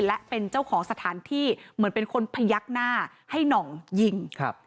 และเป็นเจ้าของสถานที่เหมือนเป็นคนพยักหน้าให้หน่องยิงครับ